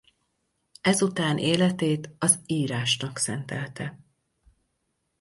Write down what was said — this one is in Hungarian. Ezután életét az írásnak szentelte.